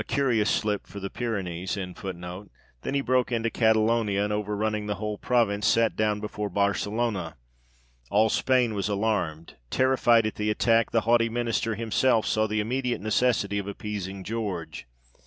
The Duke of Devonshire had no sooner passed the Appenines, 1 than he broke into Catalonia, and over running the whole province, sat down before Barcelona. All Spain was alarmed : terrified at the attack, the haughty minister himself saw the immediate necessity of appeasing George.